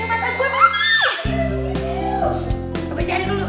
apa yang jadi dulu